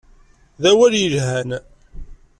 D awal yelhan.